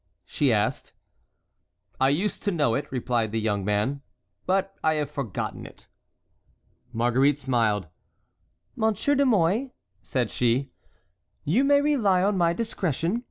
she asked. "I used to know it," replied the young man, "but I have forgotten it." Marguerite smiled. "Monsieur de Mouy," said she, "you may rely on my discretion.